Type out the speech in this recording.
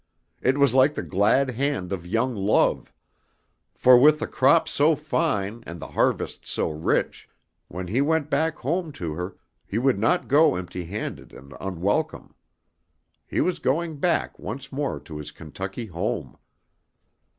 It was like the glad hand of young Love; for with the crops so fine and the harvest so rich, when he went back home to her, he would not go empty handed and unwelcome. He was going back once more to his Kentucky home.